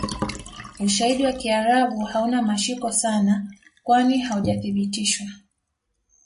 Ushaidi wa kiarabu hauna mashiko sana kwani Haujasibitishwa